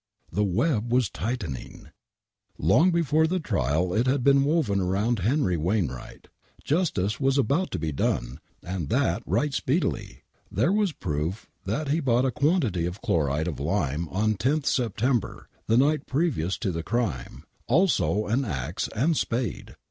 The web was tightening ! Long before the trial it had been woven round Henry Wainwright. Justice was about to be done, and that right speedily ! There was proof that he bought a quantity of chloride of lime Wmt wSim lO WAINWRIGHT MURDER IM on 10th September, the night previous to the crime; also an axe and spade